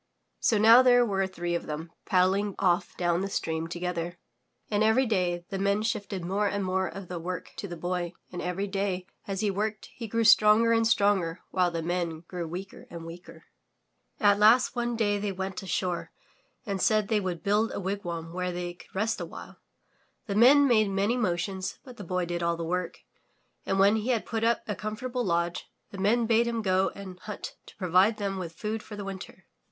'' So now there were three of them paddling off down the stream together, and every day the Men shifted more and more of the work to the Boy and every day as he worked he grew stronger and stronger while the Men grew weaker and weaker. At last one day they went ashore and said they would build a wigwam where they could rest awhile. The Men made many motions, but the Boy did all the work, and when he had put up a comfortable lodge, the Men bade him go and hunt to provide them with food for the winter.